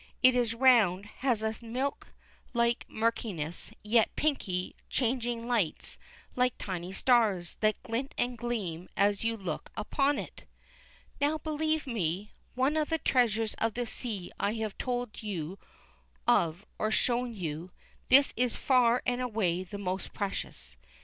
It is round, has a milk like murkiness, yet pinky, changing lights like tiny stars, that glint and gleam as you look upon it. Now believe me! Of all the treasures of the sea I have told you of or shown you, this is far and away the most precious.